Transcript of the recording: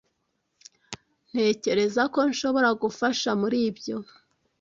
Ntekereza ko nshobora gufasha muri ibyo.